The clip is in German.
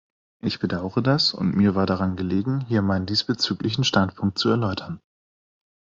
Ich bedaure das, und mir war daran gelegen, hier meinen diesbezüglichen Standpunkt zu erläutern.